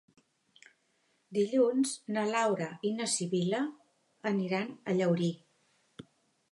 Dilluns na Laura i na Sibil·la aniran a Llaurí.